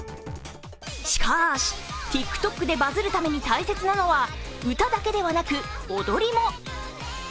しかし、ＴｉｋＴｏｋでバズるために大切なのは歌だけではなく踊りも。